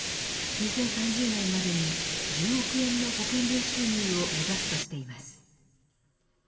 ２０３０年までに１０億円の保険料収入を目指すとしています。